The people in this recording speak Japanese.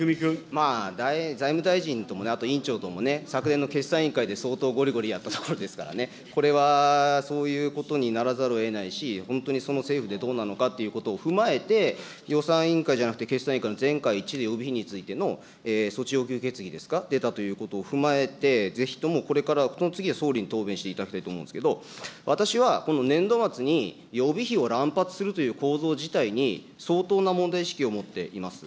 まあ財務大臣とも、委員長とも、昨年の決算委員会で相当ごりごりやったところですからね、これはそういうことになるざるをえないし、本当にその政府でどうなのかということを踏まえて、予算委員会じゃなくて決算委員会の全会一致で予備費についての措置要求決議ですか、出たということを踏まえて、ぜひともこれから、この次は総理に答弁していただきたいと思うんですけれども、私はこの年度末に予備費を乱発するという構造自体に、相当な問題意識を持っています。